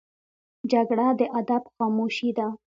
جګړه د ادب خاموشي ده